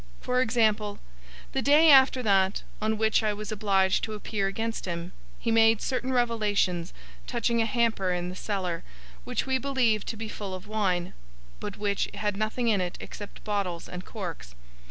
For example: the day after that on which I was obliged to appear against him, he made certain revelations touching a hamper in the cellar, which we believed to be full of wine, but which had nothing in it except bottles and corks.